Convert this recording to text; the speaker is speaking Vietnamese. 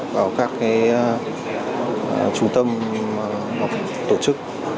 vào các cái trung tâm tổ chức